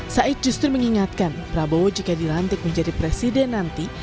said justru mengingatkan prabowo jika dilantik menjadi presiden nanti